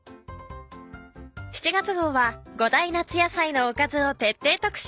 ７月号は５大夏野菜のおかずを徹底特集。